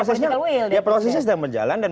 ada political will ya prosesnya sudah berjalan dan